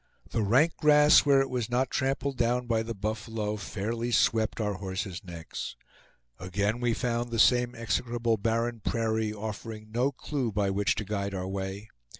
The rank grass, where it was not trampled down by the buffalo, fairly swept our horses' necks. Again we found the same execrable barren prairie offering no clew by which to guide our way.